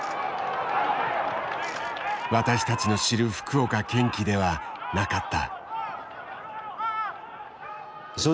私たちの知る福岡堅樹ではなかった。